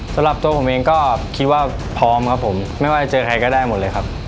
สำหรับตัวผมเองก็คิดว่าพร้อมครับผมไม่ว่าจะเจอใครก็ได้หมดเลยครับ